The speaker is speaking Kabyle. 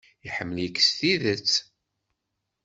Iḥemmel-ik s tidet.